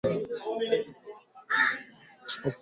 oka mkate kwa dakika kumi hadi kumi na tano